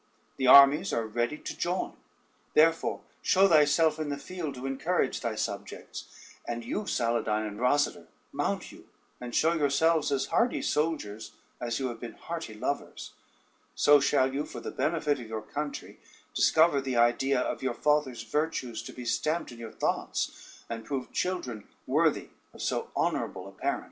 The armies are ready to join; therefore show thyself in the field to encourage thy subjects; and you, Saladyne and Rosader, mount you, and show yourselves as hardy soldiers as you have been hearty lovers; so shall you, for the benefit of your country, discover the idea of your father's virtues to be stamped in your thoughts, and prove children worthy of so honorable a parent."